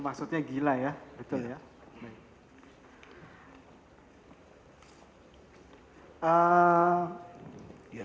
maksudnya gila ya betul ya